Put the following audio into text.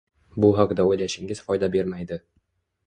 Bu haqida o’ylashingiz foyda bermaydi